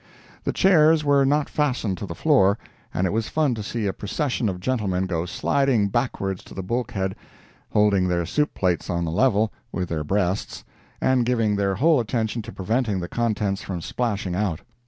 The chairs were not fastened to the floor, and it was fun to see a procession of gentlemen go sliding backwards to the bulkhead, holding their soup plates on a level with their breasts, and giving their whole attention to preventing the contents from splashing out.